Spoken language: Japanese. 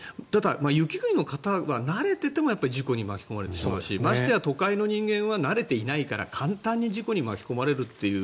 雪国の方は慣れていても事故に巻き込まれてしまうしましてや都会の方は慣れていないから簡単に事故に巻き込まれるって。